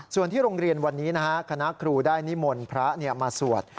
ส่วนที่โรงเรียนวันนี้นะฮะคณะครูได้นิมนต์พระมาสวด